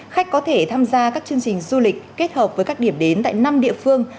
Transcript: khách có thể tham gia các chương trình du lịch kết hợp với các điểm đến tại năm địa phương